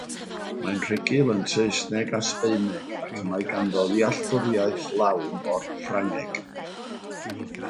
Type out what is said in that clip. Mae'n rhugl yn Saesneg a Sbaeneg ac mae ganddo ddealltwriaeth lawn o'r Ffrangeg.